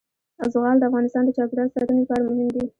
زغال د افغانستان د چاپیریال ساتنې لپاره مهم دي.